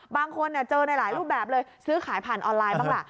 บางคนเจอในหลายรูปแบบเลยซื้อขายผ่านออนไลน์บ้างล่ะ